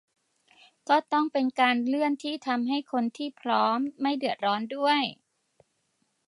ก็ต้องเป็นการเลื่อนที่ทำให้คนที่พร้อมไม่เดือดร้อนด้วย